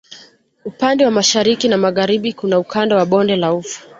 Upande wa Mashariki na Magharibi kuna Ukanda wa bonde la Ufa